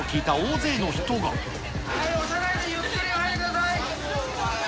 押さないで、ゆっくりお入りください。